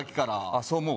そう思う？